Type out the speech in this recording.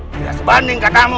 tidak sebanding katamu